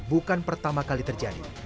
bukan pertama kali terjadi